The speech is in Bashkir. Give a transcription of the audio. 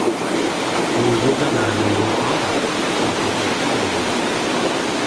Ул юлдан арыған булһа ла, йоҡоға талманы.